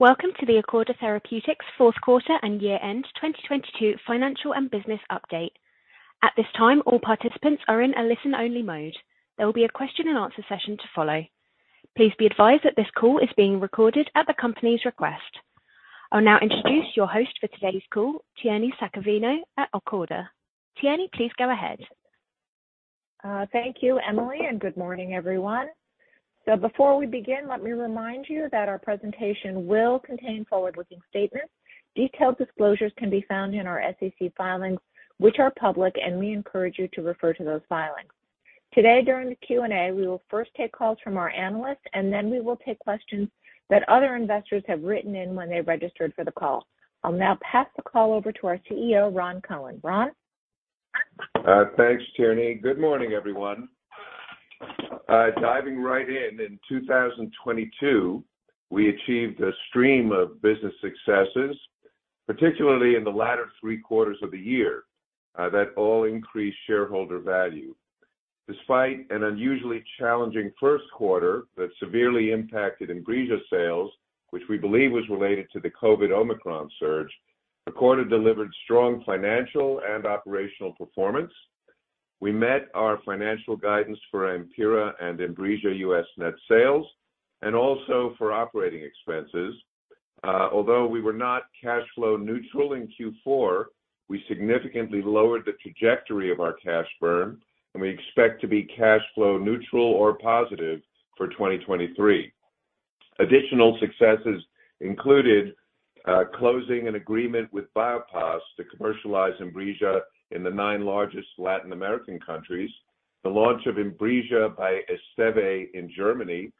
Welcome to the Acorda Therapeutics Fourth Quarter and Year-end 2022 financial and business update. At this time, all participants are in a listen-only mode. There will be a question and answer session to follow. Please be advised that this call is being recorded at the company's request. I'll now introduce your host for today's call, Tierney Saccavino at Acorda. Tierney, please go ahead. Thank you, Emily, and good morning, everyone. Before we begin, let me remind you that our presentation will contain forward-looking statements. Detailed disclosures can be found in our SEC filings, which are public, and we encourage you to refer to those filings. Today, during the Q&A, we will first take calls from our analysts, and then we will take questions that other investors have written in when they registered for the call. I'll now pass the call over to our CEO, Ron Cohen. Ron? Thanks, Tierney. Good morning, everyone. Diving right in 2022, we achieved a stream of business successes, particularly in the latter three quarters of the year, that all increased shareholder value. Despite an unusually challenging first quarter that severely impacted INBRIJA sales, which we believe was related to the COVID Omicron surge, Acorda delivered strong financial and operational performance. We met our financial guidance for AMPYRA and INBRIJA U.S. net sales and also for operating expenses. Although we were not cash flow neutral in Q4, we significantly lowered the trajectory of our cash burn, and we expect to be cash flow neutral or positive for 2023. Additional successes included closing an agreement with Biopas to commercialize INBRIJA in the nine largest Latin American countries, the launch of INBRIJA by Esteve in Germany,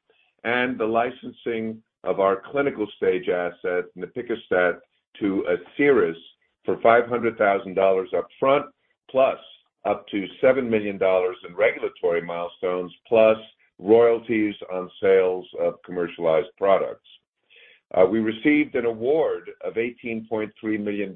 and the licensing of our clinical-stage asset, nepicastat, to Asieris for $500,000 upfront, plus up to $7 million in regulatory milestones, plus royalties on sales of commercialized products. We received an award of $18.3 million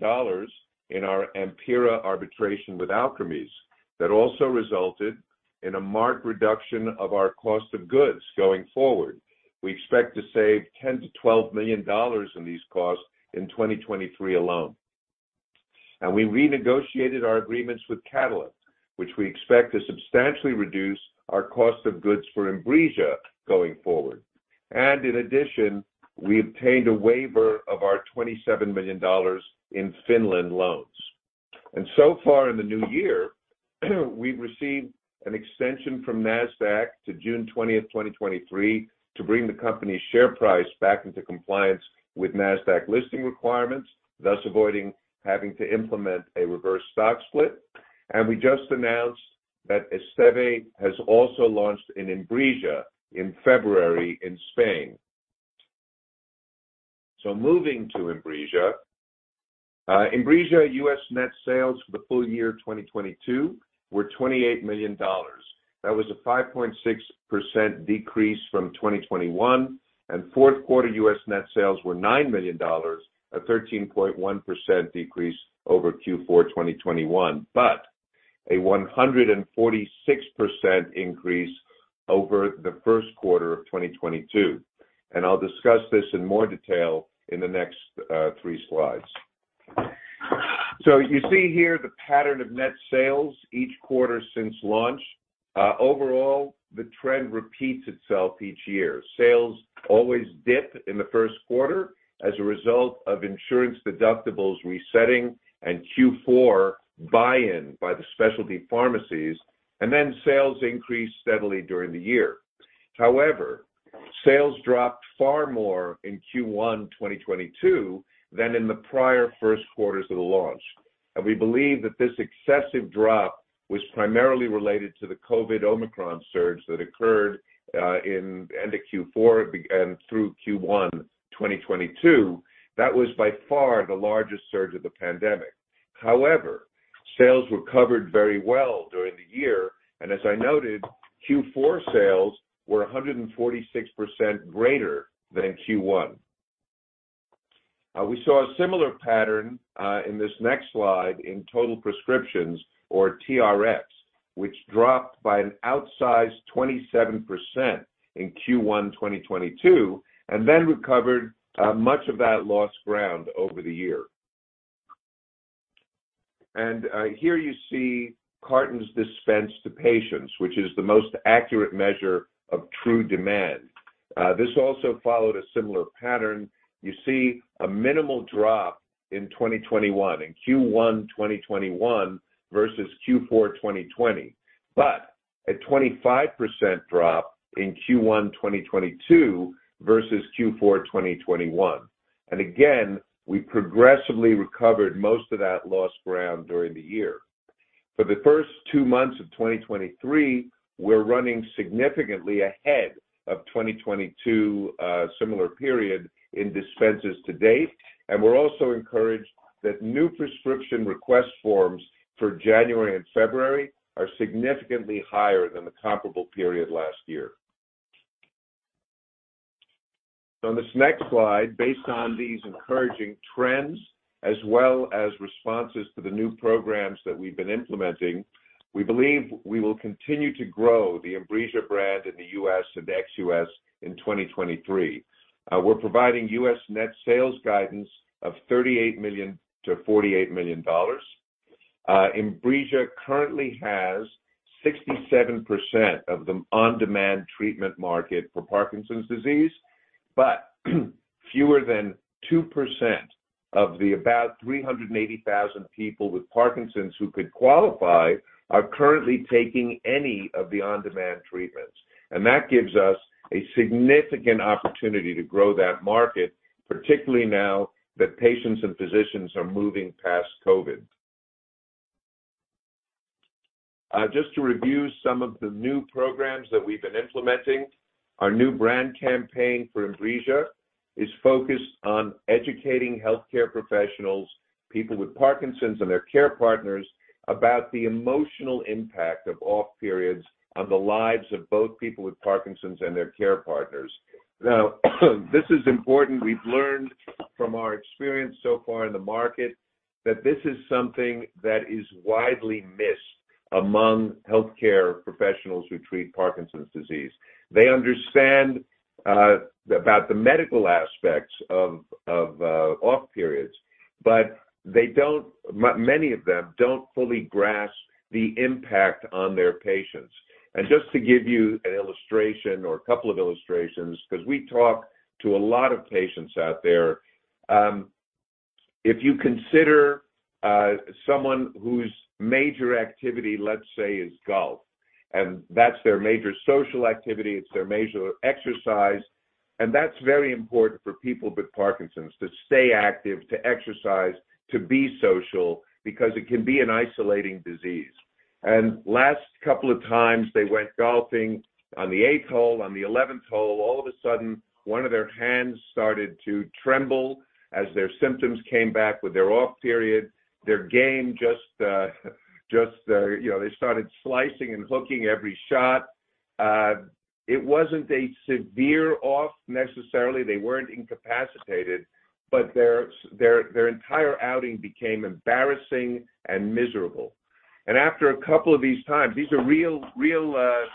in our AMPYRA arbitration with Alkermes that also resulted in a marked reduction of our cost of goods going forward. We expect to save $10 million-$12 million in these costs in 2023 alone. We renegotiated our agreements with Catalent, which we expect to substantially reduce our cost of goods for INBRIJA going forward. In addition, we obtained a waiver of our $27 million in Finland loans. So far in the new year we've received an extension from Nasdaq to June 20th, 2023 to bring the company's share price back into compliance with Nasdaq listing requirements, thus avoiding having to implement a reverse stock split. We just announced that Esteve has also launched an INBRIJA in February in Spain. Moving to INBRIJA. INBRIJA U.S. net sales for the full year 2022 were $28 million. That was a 5.6% decrease from 2021, and fourth quarter U.S. net sales were $9 million, a 13.1% decrease over Q4 2021, but a 146% increase over the first quarter of 2022. I'll discuss this in more detail in the next three slides. You see here the pattern of net sales each quarter since launch. Overall, the trend repeats itself each year. Sales always dip in the first quarter as a result of insurance deductibles resetting and Q4 buy-in by the specialty pharmacies, and then sales increase steadily during the year. However, sales dropped far more in Q1 2022 than in the prior first quarters of the launch. We believe that this excessive drop was primarily related to the COVID Omicron surge that occurred in end of Q4 and through Q1 2022. That was by far the largest surge of the pandemic. However, sales recovered very well during the year, and as I noted, Q4 sales were 146% greater than Q1. We saw a similar pattern in this next slide in total prescriptions or TRx, which dropped by an outsized 27% in Q1 2022 and then recovered much of that lost ground over the year. Here you see cartons dispensed to patients, which is the most accurate measure of true demand. This also followed a similar pattern. You see a minimal drop in 2021, in Q1 2021 versus Q4 2020, but a 25% drop in Q1 2022 versus Q4 2021. We progressively recovered most of that lost ground during the year. For the first two months of 2023, we're running significantly ahead of 2022, similar period in dispenses to date. We're also encouraged that new prescription request forms for January and February are significantly higher than the comparable period last year. On this next slide, based on these encouraging trends as well as responses to the new programs that we've been implementing, we believe we will continue to grow the INBRIJA brand in the US and ex-US in 2023. We're providing US net sales guidance of $38 million-$48 million. INBRIJA currently has 67% of the on-demand treatment market for Parkinson's disease, but fewer than 2% of the about 380,000 people with Parkinson's who could qualify are currently taking any of the on-demand treatments. That gives us a significant opportunity to grow that market, particularly now that patients and physicians are moving past COVID. Just to review some of the new programs that we've been implementing. Our new brand campaign for INBRIJA is focused on educating healthcare professionals, people with Parkinson's, and their care partners about the emotional impact of OFF periods on the lives of both people with Parkinson's and their care partners. This is important. We've learned from our experience so far in the market that this is something that is widely missed among healthcare professionals who treat Parkinson's disease. They understand about the medical aspects of OFF periods, but many of them don't fully grasp the impact on their patients. Just to give you an illustration or a couple of illustrations 'cause we talk to a lot of patients out there. If you consider someone whose major activity, let's say, is golf, and that's their major social activity, it's their major exercise, and that's very important for people with Parkinson's to stay active, to exercise, to be social because it can be an isolating disease. Last couple of times, they went golfing on the eighth hole, on the 11th hole. All of a sudden, one of their hands started to tremble as their symptoms came back with their OFF period. Their game, you know, they started slicing and hooking every shot. It wasn't a severe OFF necessarily. They weren't incapacitated, but their entire outing became embarrassing and miserable. After a couple of these times. These are real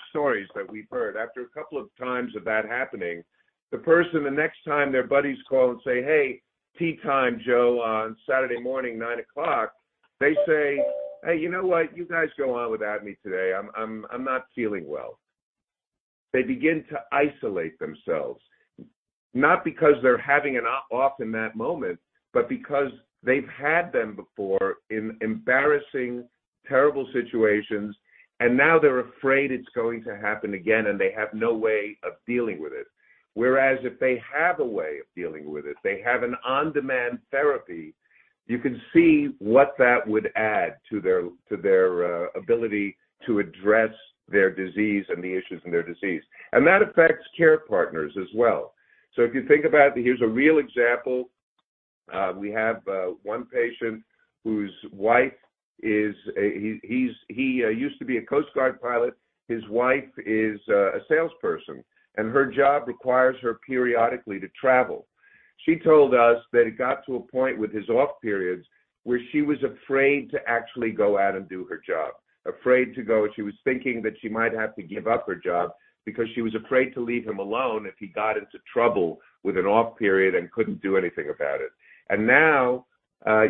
stories that we've heard. After a couple of times of that happening, the person, the next time their buddies call and say, "Hey, tee time, Joe, on Saturday morning, 9:00," they say, "Hey, you know what? You guys go on without me today. I'm not feeling well." They begin to isolate themselves, not because they're having an OFF in that moment, but because they've had them before in embarrassing, terrible situations, and now they're afraid it's going to happen again, and they have no way of dealing with it. Whereas if they have a way of dealing with it, they have an on-demand therapy, you can see what that would add to their ability to address their disease and the issues in their disease. That affects care partners as well. If you think about here's a real example. We have one patient whose wife is a. He used to be a Coast Guard pilot. His wife is a salesperson, and her job requires her periodically to travel. She told us that it got to a point with his OFF periods where she was afraid to actually go out and do her job. Afraid to go. She was thinking that she might have to give up her job because she was afraid to leave him alone if he got into trouble with an OFF period and couldn't do anything about it. Now,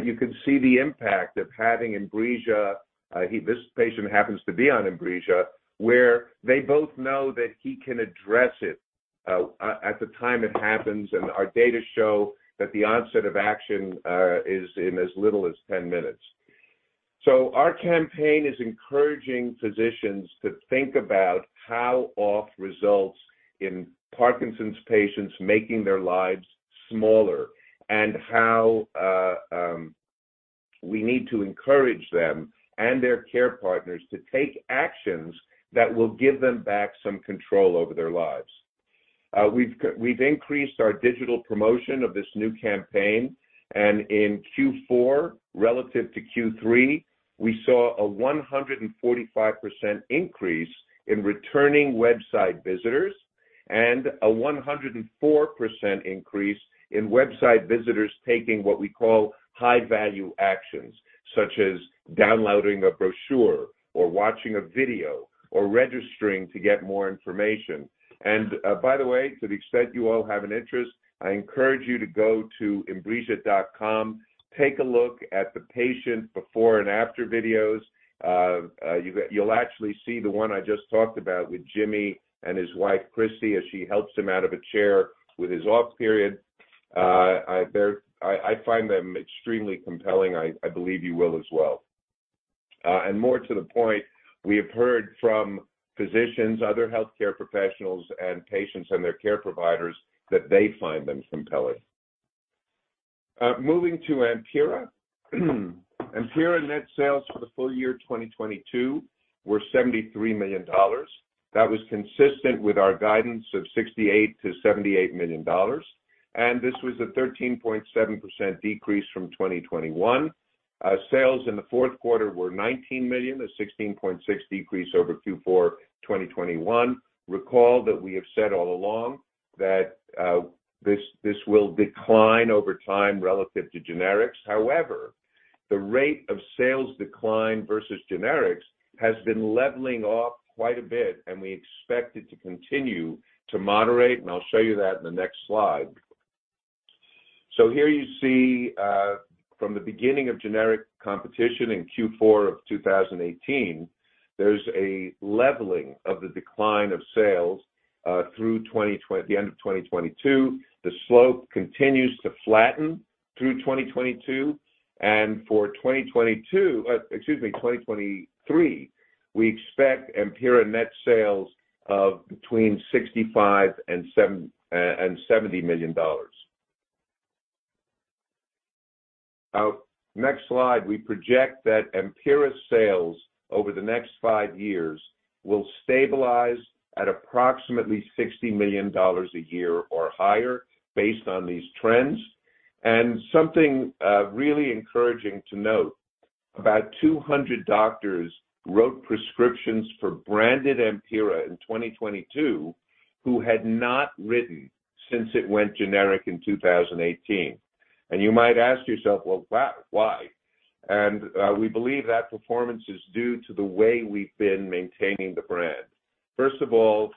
you can see the impact of having INBRIJA. This patient happens to be on INBRIJA, where they both know that he can address it at the time it happens. Our data show that the onset of action is in as little as 10 minutes. Our campaign is encouraging physicians to think about how OFF results in Parkinson's patients making their lives smaller and how we need to encourage them and their care partners to take actions that will give them back some control over their lives. We've increased our digital promotion of this new campaign, in Q4 relative to Q3, we saw a 145% increase in returning website visitors and a 104% increase in website visitors taking what we call high-value actions, such as downloading a brochure or watching a video or registering to get more information. By the way, to the extent you all have an interest, I encourage you to go to inbrija.com, take a look at the patient before and after videos. You'll actually see the one I just talked about with Jimmy and his wife, Christy, as she helps him out of a chair with his OFF period. I find them extremely compelling. I believe you will as well. More to the point, we have heard from physicians, other healthcare professionals, and patients and their care providers that they find them compelling. Moving to AMPYRA. AMPYRA net sales for the full year 2022 were $73 million. That was consistent with our guidance of $68 million-$78 million, and this was a 13.7% decrease from 2021. Sales in the fourth quarter were $19 million, a 16.6% decrease over Q4 2021. Recall that we have said all along that this will decline over time relative to generics. The rate of sales decline versus generics has been leveling off quite a bit, and we expect it to continue to moderate, and I'll show you that in the next slide. Here you see, from the beginning of generic competition in Q4 of 2018, there's a leveling of the decline of sales through the end of 2022. The slope continues to flatten through 2022. For 2022, excuse me, 2023, we expect AMPYRA net sales of between $65 million and $70 million. Next slide, we project that AMPYRA sales over the next five years will stabilize at approximately $60 million a year or higher based on these trends. Something really encouraging to note, about 200 doctors wrote prescriptions for branded AMPYRA in 2022 who had not written since it went generic in 2018. You might ask yourself, "Well, why?" We believe that performance is due to the way we've been maintaining the brand. First of all,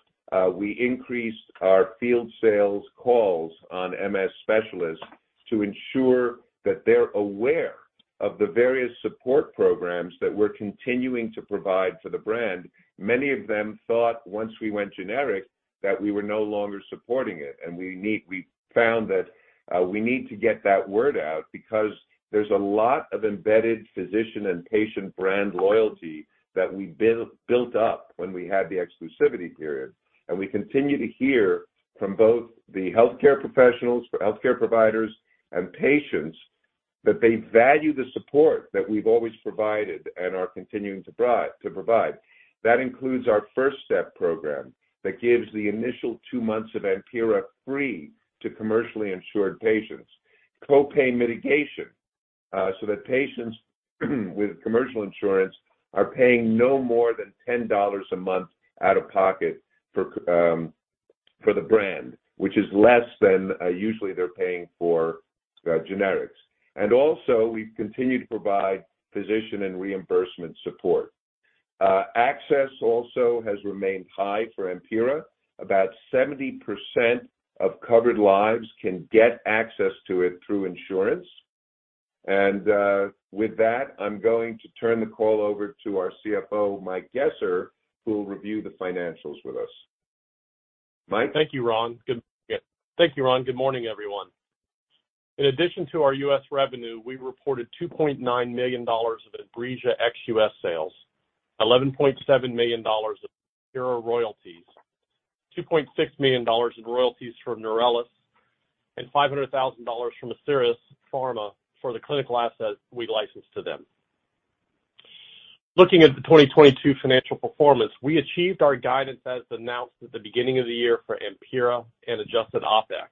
we increased our field sales calls on MS specialists to ensure that they're aware of the various support programs that we're continuing to provide for the brand. Many of them thought once we went generic that we were no longer supporting it, we found that we need to get that word out because there's a lot of embedded physician and patient brand loyalty that we built up when we had the exclusivity period. We continue to hear from both the healthcare professionals, healthcare providers, and patients that they value the support that we've always provided and are continuing to provide. That includes our First Step program that gives the initial two months of AMPYRA free to commercially insured patients. Copay mitigation, so that patients with commercial insurance are paying no more than $10 a month out of pocket for the brand, which is less than usually they're paying for generics. Also, we've continued to provide physician and reimbursement support. Access also has remained high for AMPYRA. About 70% of covered lives can get access to it through insurance. With that, I'm going to turn the call over to our CFO, Mike Gesser, who will review the financials with us. Mike? Thank you, Ron. Good morning, everyone. In addition to our U.S. revenue, we reported $2.9 million of INBRIJA ex-U.S. sales, $11.7 million of AMPYRA royalties, $2.6 million in royalties from Neurelis, and $500,000 from Asieris Pharma for the clinical asset we licensed to them. Looking at the 2022 financial performance, we achieved our guidance as announced at the beginning of the year for AMPYRA and adjusted OpEx.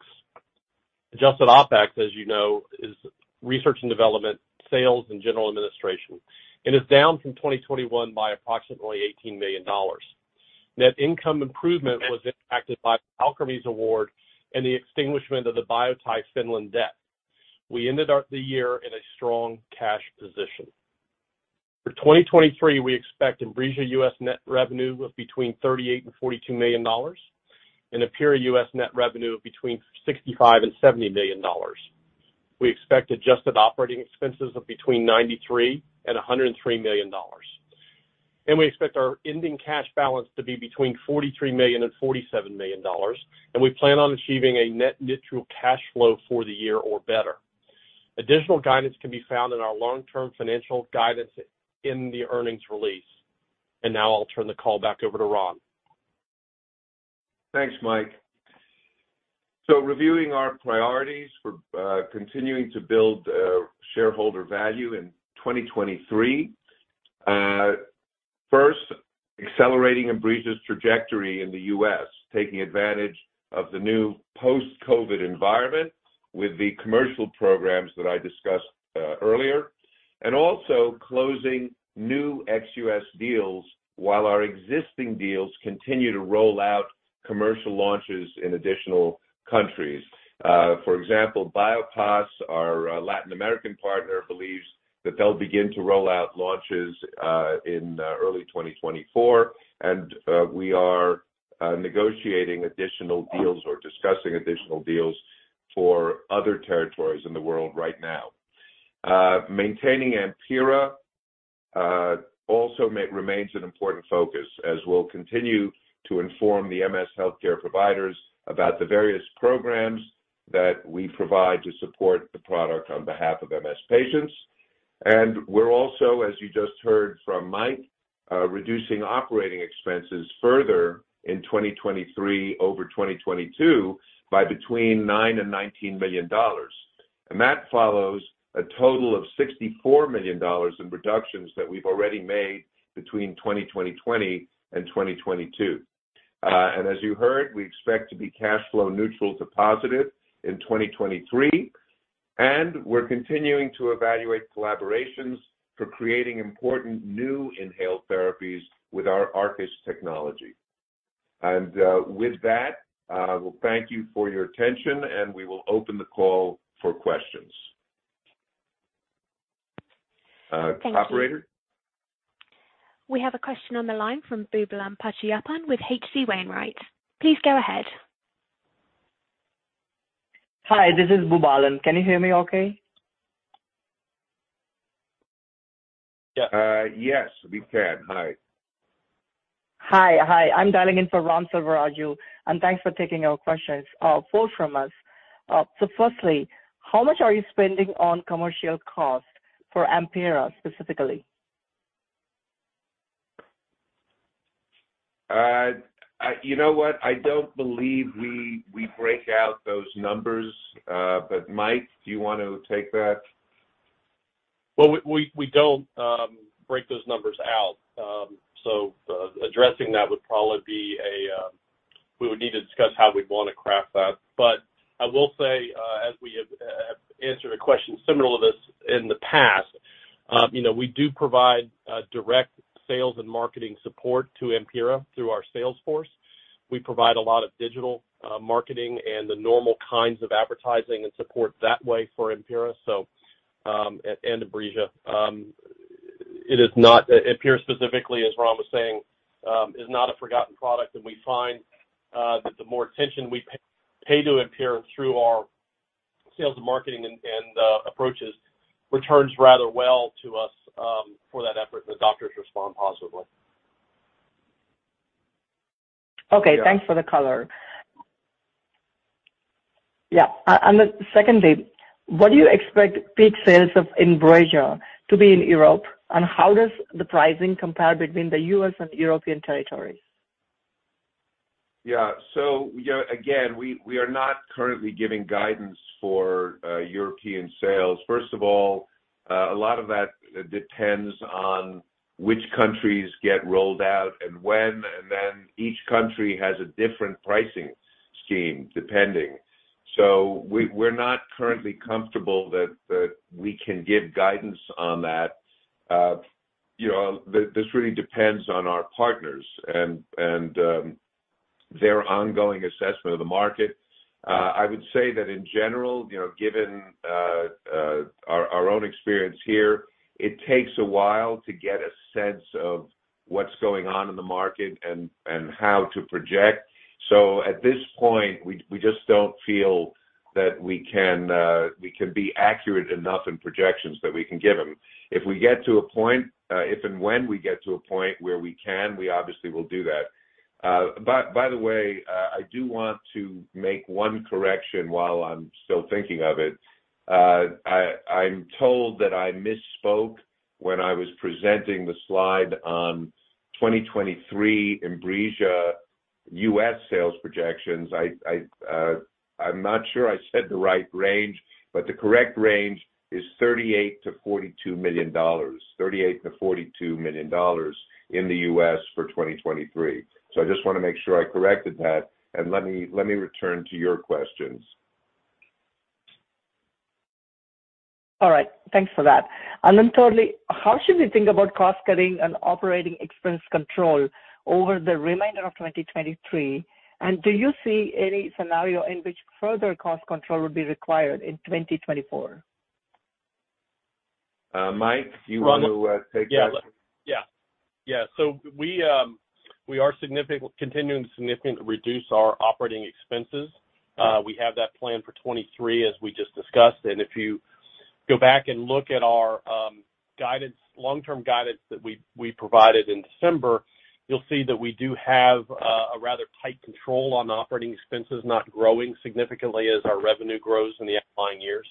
Adjusted OpEx, as you know, is research and development, sales, and general administration, and is down from 2021 by approximately $18 million. Net income improvement was impacted by Alkermes Award and the extinguishment of the Biotie Finland debt. We ended out the year in a strong cash position. For 2023, we expect INBRIJA U.S. net revenue of between $38 million and $42 million, and AMPYRA U.S. net revenue of between $65 million and $70 million. We expect adjusted operating expenses of between $93 million and $103 million. We expect our ending cash balance to be between $43 million and $47 million, and we plan on achieving a net neutral cash flow for the year or better. Additional guidance can be found in our long-term financial guidance in the earnings release. Now I'll turn the call back over to Ron. Thanks, Mike. Reviewing our priorities for continuing to build shareholder value in 2023. First, accelerating INBRIJA's trajectory in the US, taking advantage of the new post-COVID environment with the commercial programs that I discussed earlier, and also closing new ex-US deals while our existing deals continue to roll out commercial launches in additional countries. For example, Biopas, our Latin American partner, believes that they'll begin to roll out launches in early 2024, and we are negotiating additional deals or discussing additional deals for other territories in the world right now. Maintaining AMPYRA also remains an important focus as we'll continue to inform the MS healthcare providers about the various programs that we provide to support the product on behalf of MS patients. We're also, as you just heard from Mike, reducing operating expenses further in 2023 over 2022 by between $9 million and $19 million. That follows a total of $64 million in reductions that we've already made between 2020 and 2022. As you heard, we expect to be cash flow neutral to positive in 2023, we're continuing to evaluate collaborations for creating important new inhaled therapies with our ARCUS technology. With that, we'll thank you for your attention, and we will open the call for questions. Thank you. operator? We have a question on the line from Boobalan Pachaiyappan with H.C. Wainwright. Please go ahead. Hi, this is Boobalan. Can you hear me okay? Yes, we can. Hi. Hi. Hi. I'm dialing in for Ram Selvaraju, thanks for taking our questions, both from us. Firstly, how much are you spending on commercial costs for AMPYRA specifically? You know what? I don't believe we break out those numbers. Mike, do you want to take that? Well, we don't break those numbers out. Addressing that would probably be a, We would need to discuss how we'd wanna craft that. I will say, as we have answered a question similar to this in the past, you know, we do provide direct sales and marketing support to AMPYRA through our sales force. We provide a lot of digital marketing and the normal kinds of advertising and support that way for AMPYRA, so, and INBRIJA. It is not, AMPYRA specifically, as Ram was saying, is not a forgotten product, and we find that the more attention we pay to AMPYRA through our sales and marketing and approaches returns rather well to us for that effort, and the doctors respond positively. Okay. Yeah. Thanks for the color. Yeah. Then secondly, what do you expect peak sales of INBRIJA to be in Europe, and how does the pricing compare between the U.S. and European territories? Yeah. You know, again, we are not currently giving guidance for European sales. A lot of that depends on which countries get rolled out and when, and then each country has a different pricing scheme, depending. We're not currently comfortable that we can give guidance on that. You know, this really depends on our partners and their ongoing assessment of the market. I would say that in general, you know, given our own experience here, it takes a while to get a sense of what's going on in the market and how to project. At this point, we just don't feel that we can be accurate enough in projections that we can give them. If we get to a point, if and when we get to a point where we can, we obviously will do that. By the way, I do want to make one correction while I'm still thinking of it. I'm told that I misspoke when I was presenting the slide on 2023 INBRIJA U.S. sales projections. I'm not sure I said the right range, but the correct range is $38 million-$42 million, $38 million-$42 million in the U.S. for 2023. I just wanna make sure I corrected that, and let me return to your questions. All right. Thanks for that. Thirdly, how should we think about cost-cutting and operating expense control over the remainder of 2023? Do you see any scenario in which further cost control would be required in 2024? Mike, do you want to take that? Yeah. Yeah. We are continuing to significantly reduce our OpEx. We have that plan for 2023, as we just discussed. If you go back and look at our guidance, long-term guidance that we provided in December, you'll see that we do have a rather tight control on OpEx not growing significantly as our revenue grows in the upcoming years.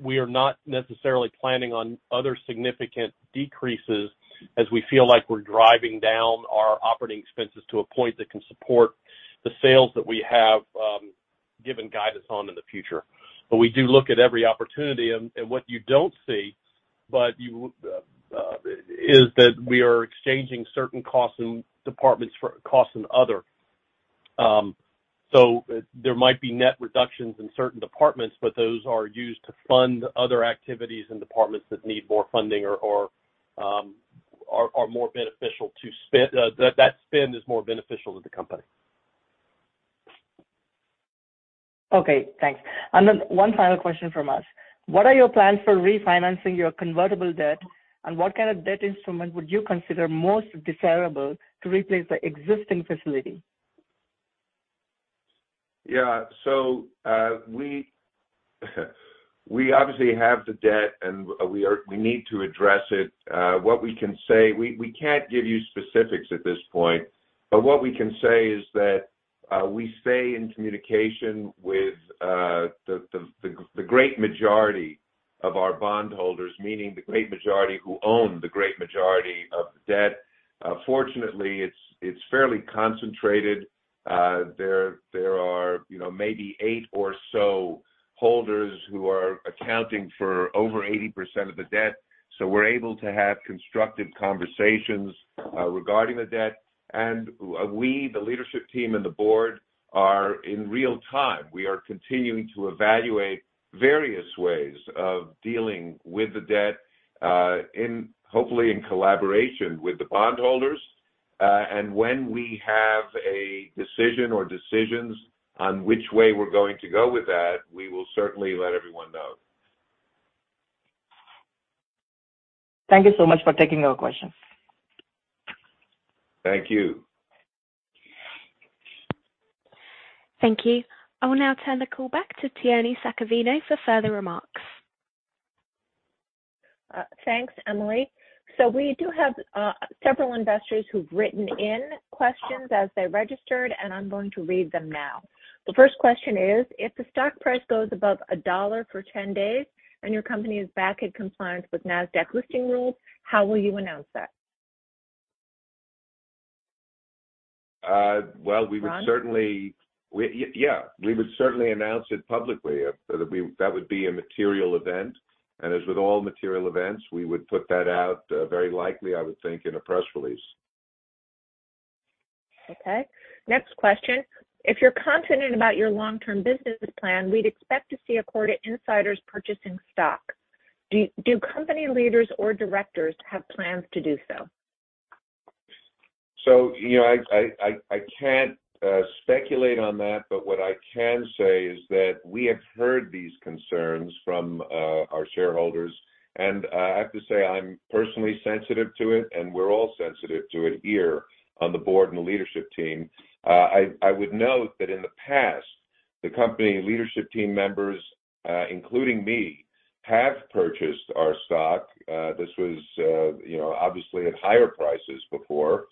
We are not necessarily planning on other significant decreases as we feel like we're driving down our OpEx to a point that can support the sales that we have given guidance on in the future. We do look at every opportunity and what you don't see is that we are exchanging certain costs in departments for costs in other. There might be net reductions in certain departments, but those are used to fund other activities and departments that need more funding or are more beneficial to spend, that spend is more beneficial to the company. Okay, thanks. Then one final question from us. What are your plans for refinancing your convertible debt, and what kind of debt instrument would you consider most desirable to replace the existing facility? Yeah. We obviously have the debt, and we need to address it. What we can say, we can't give you specifics at this point, but what we can say is that we stay in communication with the great majority of our bondholders, meaning the great majority who own the great majority of the debt. Fortunately, it's fairly concentrated. There are, you know, maybe 8 or so holders who are accounting for over 80% of the debt. So we're able to have constructive conversations regarding the debt. We, the leadership team and the board, are in real time. We are continuing to evaluate various ways of dealing with the debt, hopefully in collaboration with the bondholders. When we have a decision or decisions on which way we're going to go with that, we will certainly let everyone know. Thank you so much for taking our question. Thank you. Thank you. I will now turn the call back to Tierney Saccavino for further remarks. Thanks, Emily. We do have several investors who've written in questions as they registered, and I'm going to read them now. The first question is: If the stock price goes above $1 for 10 days and your company is back in compliance with Nasdaq listing rules, how will you announce that? Well, we would. Ron? Yeah, we would certainly announce it publicly. That would be a material event. As with all material events, we would put that out, very likely, I would think, in a press release. Okay. Next question. If you're confident about your long-term business plan, we'd expect to see Acorda insiders purchasing stock. Do company leaders or directors have plans to do so? You know, I can't speculate on that, but what I can say is that we have heard these concerns from our shareholders. I have to say I'm personally sensitive to it and we're all sensitive to it here on the board and leadership team. I would note that in the past, the company leadership team members, including me, have purchased our stock. This was, you know, obviously at higher prices before.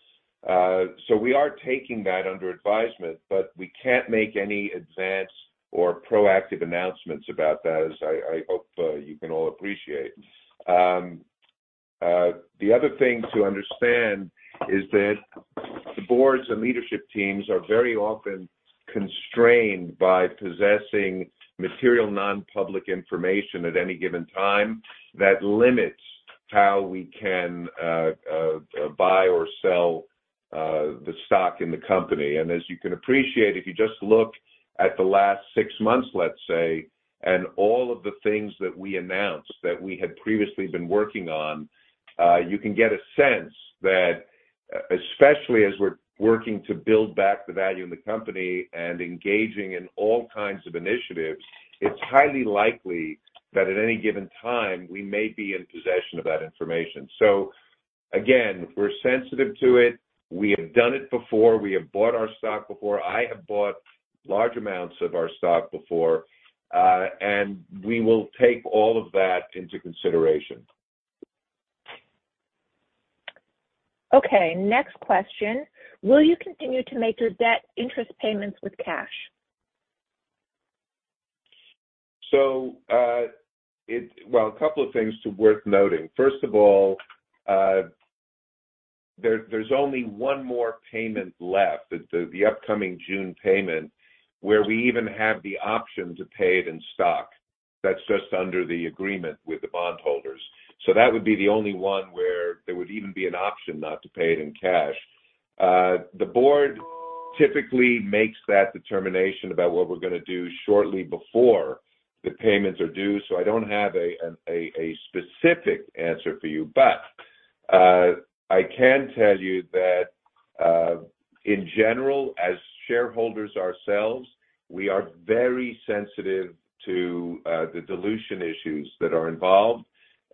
We are taking that under advisement, but we can't make any advance or proactive announcements about that, as I hope you can all appreciate. The other thing to understand is that the boards and leadership teams are very often constrained by possessing material non-public information at any given time that limits how we can buy or sell the stock in the company. As you can appreciate, if you just look at the last 6 months, let's say, and all of the things that we announced that we had previously been working on, you can get a sense that especially as we're working to build back the value in the company and engaging in all kinds of initiatives, it's highly likely that at any given time, we may be in possession of that information. Again, we're sensitive to it. We have done it before. We have bought our stock before. I have bought large amounts of our stock before. We will take all of that into consideration. Next question. Will you continue to make your debt interest payments with cash? Well, a couple of things worth noting. First of all, there's only one more payment left, the upcoming June payment, where we even have the option to pay it in stock. That's just under the agreement with the bondholders. That would be the only one where there would even be an option not to pay it in cash. The board typically makes that determination about what we're gonna do shortly before the payments are due, so I don't have a specific answer for you. I can tell you that, in general, as shareholders ourselves, we are very sensitive to the dilution issues that are involved,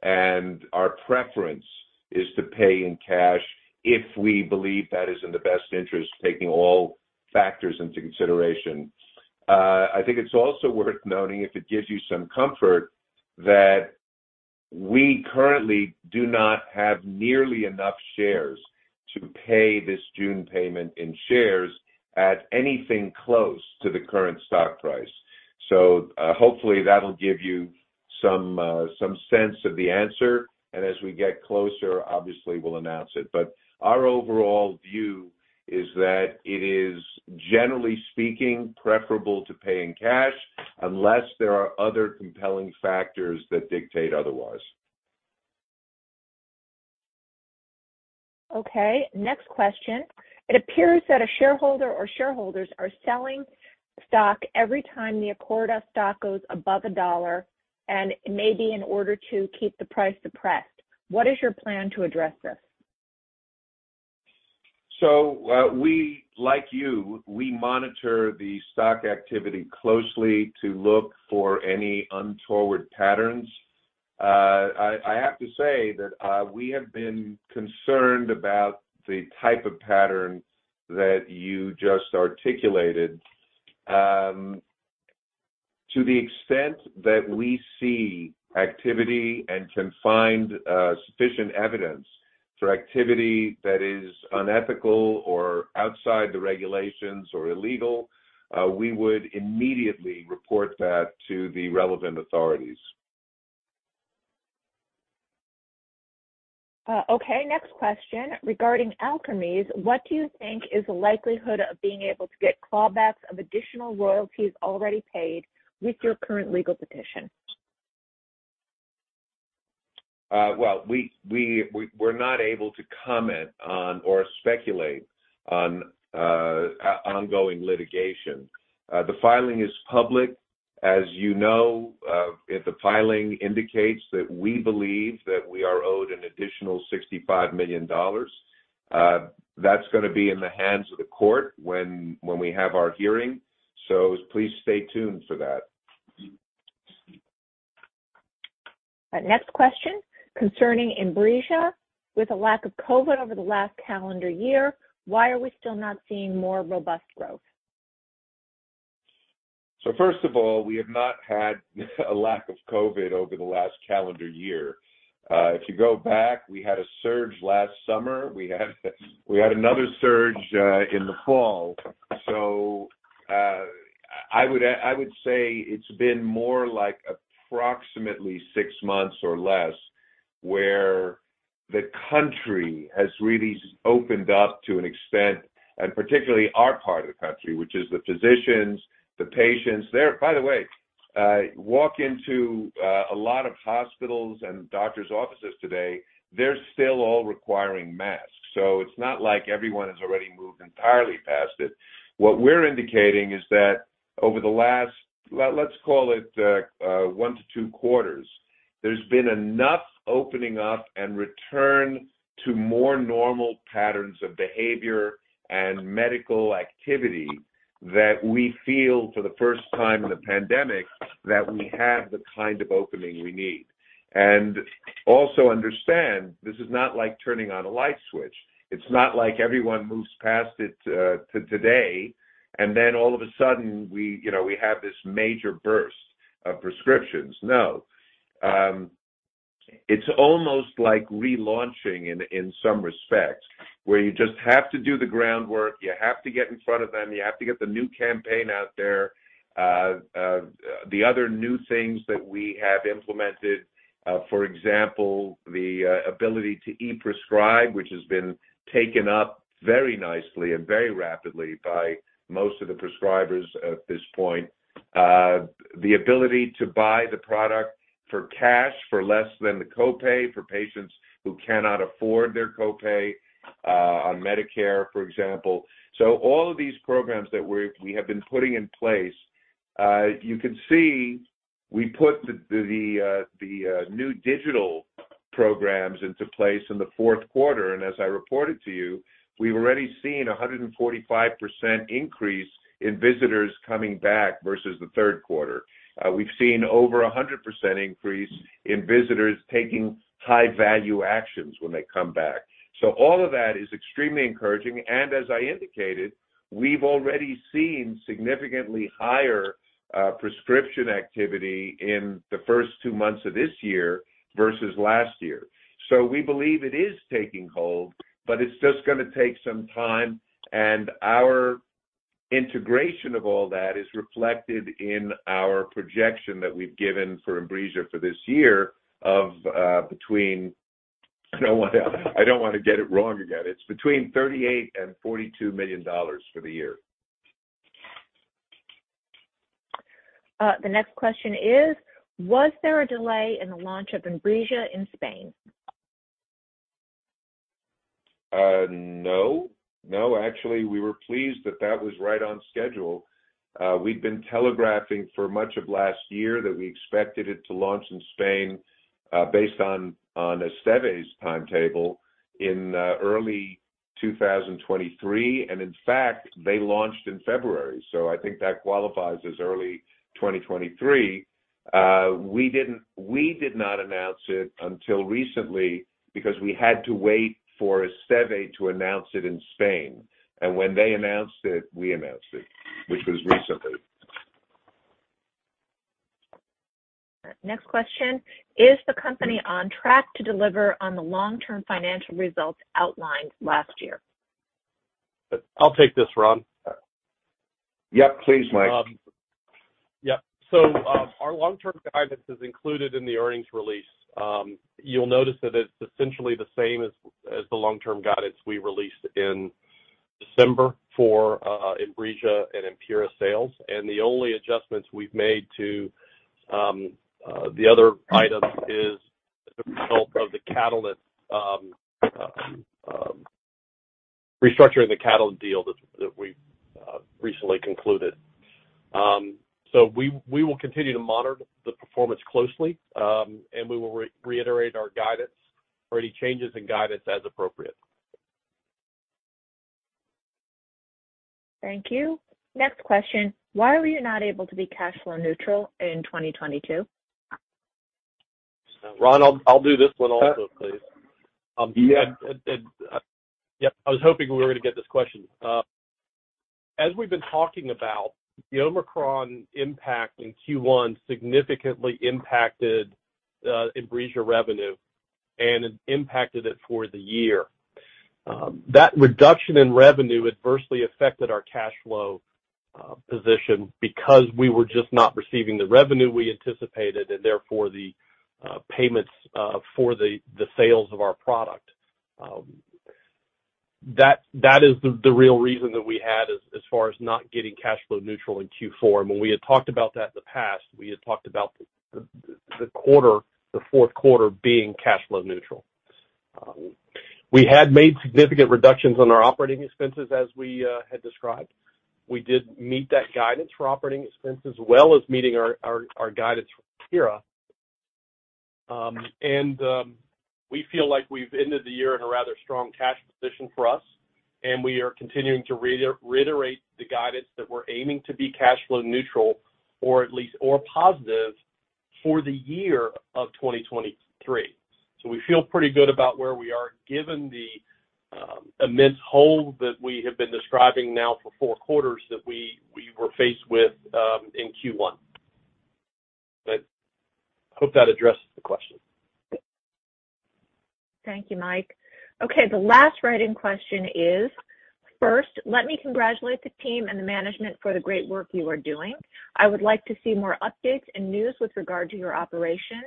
and our preference is to pay in cash if we believe that is in the best interest, taking all factors into consideration. I think it's also worth noting, if it gives you some comfort, that we currently do not have nearly enough shares to pay this June payment in shares at anything close to the current stock price. Hopefully, that'll give you some sense of the answer. As we get closer, obviously we'll announce it. Our overall view is that it is, generally speaking, preferable to pay in cash unless there are other compelling factors that dictate otherwise. Next question. It appears that a shareholder or shareholders are selling stock every time the Acorda stock goes above $1, and it may be in order to keep the price suppressed. What is your plan to address this? We monitor the stock activity closely to look for any untoward patterns. I have to say that we have been concerned about the type of pattern that you just articulated. To the extent that we see activity and can find sufficient evidence for activity that is unethical or outside the regulations or illegal, we would immediately report that to the relevant authorities. Okay, next question. Regarding Alkermes, what do you think is the likelihood of being able to get callbacks of additional royalties already paid with your current legal petition? Well, we're not able to comment on or speculate on ongoing litigation. The filing is public, as you know. If the filing indicates that we believe that we are owed an additional $65 million, that's gonna be in the hands of the court when we have our hearing. Please stay tuned for that. Next question. Concerning INBRIJA, with a lack of COVID over the last calendar year, why are we still not seeing more robust growth? First of all, we have not had a lack of COVID over the last calendar year. If you go back, we had a surge last summer. We had another surge in the fall. I would say it's been more like approximately 6 months or less, where the country has really opened up to an extent, and particularly our part of the country, which is the physicians, the patients. By the way, walk into a lot of hospitals and doctor's offices today, they're still all requiring masks. It's not like everyone has already moved entirely past it. What we're indicating is that over the last, let's call it, one to two quarters, there's been enough opening up and return to more normal patterns of behavior and medical activity that we feel for the first time in the pandemic, that we have the kind of opening we need. Also understand this is not like turning on a light switch. It's not like everyone moves past it today, and then all of a sudden we, you know, we have this major burst of prescriptions. No. It's almost like relaunching in some respects, where you just have to do the groundwork, you have to get in front of them, you have to get the new campaign out there. The other new things that we have implemented, for example, the ability to e-prescribe, which has been taken up very nicely and very rapidly by most of the prescribers at this point. The ability to buy the product for cash for less than the co-pay for patients who cannot afford their co-pay on Medicare, for example. All of these programs that we have been putting in place, you can see we put the new digital programs into place in the fourth quarter. As I reported to you, we've already seen a 145% increase in visitors coming back versus the third quarter. We've seen over a 100% increase in visitors taking high-value actions when they come back. All of that is extremely encouraging, and as I indicated, we've already seen significantly higher, prescription activity in the first 2 months of this year versus last year. We believe it is taking hold, but it's just gonna take some time, and our integration of all that is reflected in our projection that we've given for INBRIJA for this year of, between I don't wanna get it wrong again. It's between $38 million and $42 million for the year. The next question is, was there a delay in the launch of INBRIJA in Spain? No. No, actually, we were pleased that that was right on schedule. We've been telegraphing for much of last year that we expected it to launch in Spain, based on Esteve's timetable in early 2023. In fact, they launched in February, so I think that qualifies as early 2023. We did not announce it until recently because we had to wait for Esteve to announce it in Spain. When they announced it, we announced it, which was recently. Next question: Is the company on track to deliver on the long-term financial results outlined last year? I'll take this, Ron. Yep, please, Mike. Yep. Our long-term guidance is included in the earnings release. You'll notice that it's essentially the same as the long-term guidance we released in December for INBRIJA and AMPYRA sales. The only adjustments we've made to the other items is the result of the Catalent restructuring the Catalent deal that we recently concluded. We will continue to monitor the performance closely, and we will reiterate our guidance or any changes in guidance as appropriate. Thank you. Next question: Why were you not able to be cash flow neutral in 2022? Ron, I'll do this one also, please. Yeah. Yep, I was hoping we were gonna get this question. As we've been talking about, the Omicron impact in Q1 significantly impacted INBRIJA revenue and impacted it for the year. That reduction in revenue adversely affected our cash flow position because we were just not receiving the revenue we anticipated and therefore the payments for the sales of our product. That is the real reason that we had as far as not getting cash flow neutral in Q4. When we had talked about that in the past, we had talked about the quarter, the fourth quarter being cash flow neutral. We had made significant reductions on our operating expenses as we had described. We did meet that guidance for operating expense as well as meeting our guidance for Ampyra. We feel like we've ended the year in a rather strong cash position for us, and we are continuing to reiterate the guidance that we're aiming to be cash flow neutral or at least more positive for the year of 2023. We feel pretty good about where we are given the immense hole that we have been describing now for 4 quarters that we were faced with in Q1. Hope that addresses the question. Thank you, Mike. Okay, the last write-in question is, "First, let me congratulate the team and the management for the great work you are doing. I would like to see more updates and news with regard to your operations.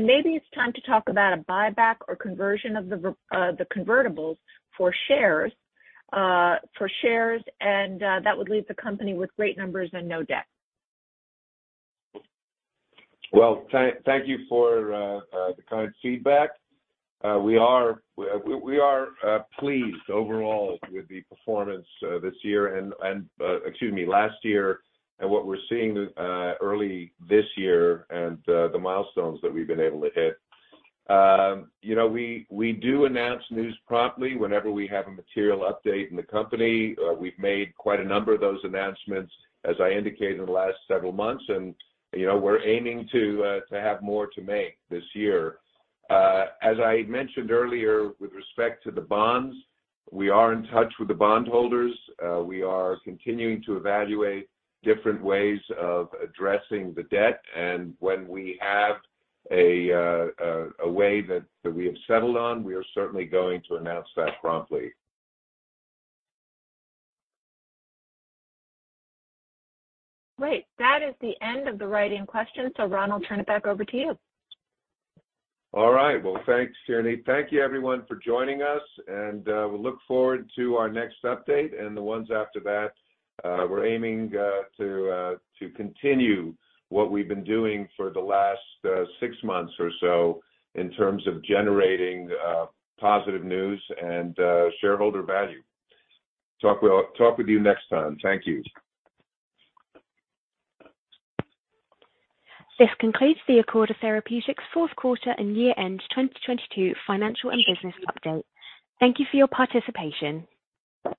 Maybe it's time to talk about a buyback or conversion of the convertibles for shares, and that would leave the company with great numbers and no debt. Well, thank you for the kind feedback. We are pleased overall with the performance this year and, excuse me, last year and what we're seeing early this year and the milestones that we've been able to hit. You know, we do announce news promptly whenever we have a material update in the company. We've made quite a number of those announcements, as I indicated in the last several months. You know, we're aiming to have more to make this year. As I mentioned earlier, with respect to the bonds, we are in touch with the bondholders. We are continuing to evaluate different ways of addressing the debt, and when we have a way that we have settled on, we are certainly going to announce that promptly. Great. That is the end of the write-in questions. Ronald, I'll turn it back over to you. All right. Well, thanks, Tierney. Thank you everyone for joining us. We look forward to our next update and the ones after that. We're aiming to continue what we've been doing for the last 6 months or so in terms of generating positive news and shareholder value. Talk with you next time. Thank you. This concludes the Acorda Therapeutics fourth quarter and year-end 2022 financial and business update. Thank you for your participation.